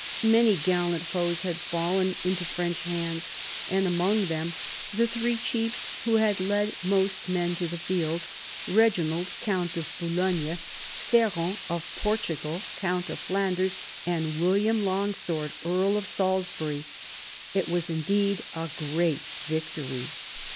Many gallant foes had fallen into French hands, and among them the three chiefs who had led most men to the field, Eeginald, count of Boulogne, Ferrand of iv BOUVINES 107 Portugal, count of Flanders, and William Longsword, earl of Salisbury. It was indeed a great victory.